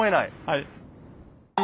はい。